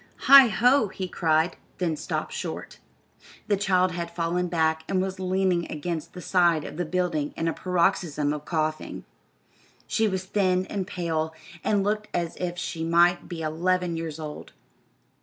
"Heigh ho!" he cried, then stopped short. The child had fallen back and was leaning against the side of the building in a paroxysm of coughing. She was thin and pale, and looked as if she might be eleven years old.